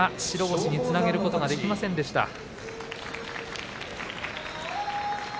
白星につなげることができませんでした。